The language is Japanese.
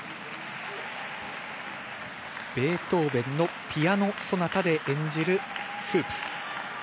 ベートーヴェンの『ピアノソナタ』で演じるフープ。